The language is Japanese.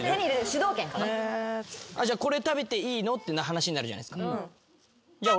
じゃあ「これ食べていいの？」って話になるじゃないですか。